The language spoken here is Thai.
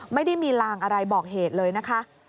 ไม่ได้มีลางอะไรบอกเหตุเลยนะคะ